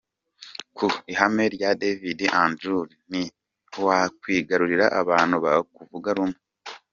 Ku ihame rya Divide and Rule ntiwakwigarurira abantu bakivuga rumwe.